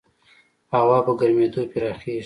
هوا په ګرمېدو پراخېږي.